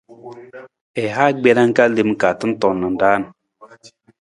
I ha gbena ka lem ka tantong na raan.